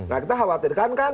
nah kita khawatirkan kan